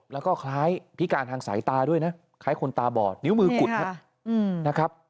แล้วก็คล้ายพิการทางสายตาด้วยนะคล้ายคนตาบอดนิ้วมือกุดครับนะครับ